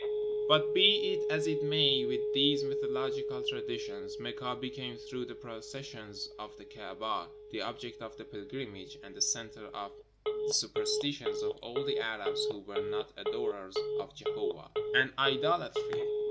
But be it as it may with these mythological traditions, Mecca became, through the processions of the Kaaba, the object of the pilgrimages and the center of the super stitions of all the Arabs who were not adorers of Jehovah. An idolatry